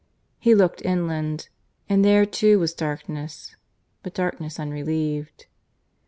He looked inland, and there too was darkness, but darkness unrelieved.